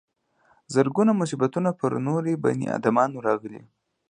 زرګونه مصیبتونه پر نورو بني ادمانو راغلي.